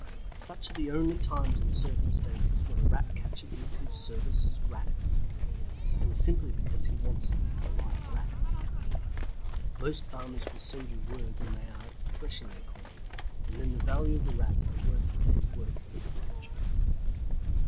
Such are the only times and circumstances when a Rat catcher gives his services gratis, and simply because he wants the live Rats. Most farmers will send you word when they are threshing their corn, and then the value of the Rats are worth the day's work to the Rat catcher.